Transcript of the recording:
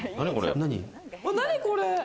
何これ。